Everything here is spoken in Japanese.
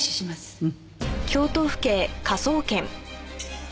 うん。